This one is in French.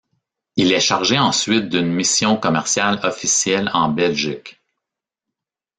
Il est chargé ensuite d'une mission commerciale officielle en Belgique.